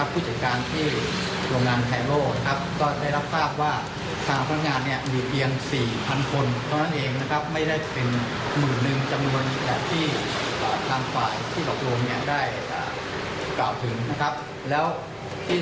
พวกเราแต่ได้ไม่ใช้ข้อทุกธุ์